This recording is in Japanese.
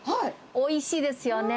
おいしいですよね。